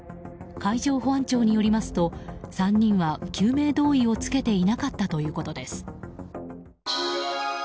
海上保安庁によりますと３人は救命胴衣を着けていなかったということです。